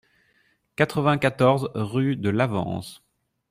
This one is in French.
quatre-vingt-quatorze rue de l'Avance